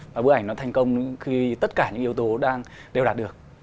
và bức ảnh nó thành công khi tất cả những yếu tố đang đều đạt được